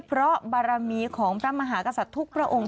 เพราะบารมีของพระมหากษัตริย์ทุกพระองค์